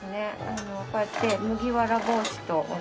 こうやって麦わら帽子と同じ。